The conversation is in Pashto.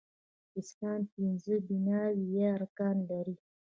اسلام پنځه بناوې يا ارکان لري